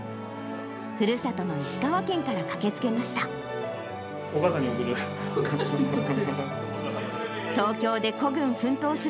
ふるさとの石川県から駆けつけまお母さんに送る。